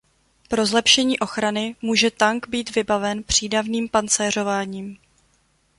Pro zlepšení ochrany může tank být vybaven přídavným pancéřováním.